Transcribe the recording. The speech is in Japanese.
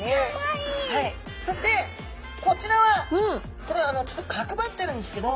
そしてこちらはこれあのちょっとかくばってるんですけど。